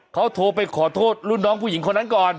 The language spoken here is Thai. เขาโทรไปขอโทษรุ่นน้องผู้หญิงคนนั้นก่อน